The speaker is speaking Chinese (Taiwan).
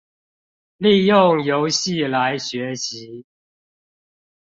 利用遊戲來學習